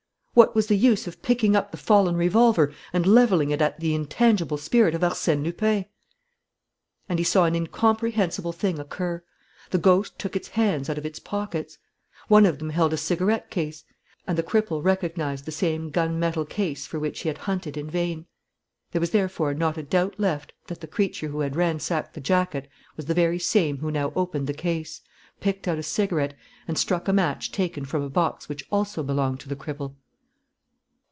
What was the use of picking up the fallen revolver and levelling it at the intangible spirit of Arsène Lupin? And he saw an incomprehensible thing occur: the ghost took its hands out of its pockets. One of them held a cigarette case; and the cripple recognized the same gun metal case for which he had hunted in vain. There was therefore not a doubt left that the creature who had ransacked the jacket was the very same who now opened the case, picked out a cigarette and struck a match taken from a box which also belonged to the cripple!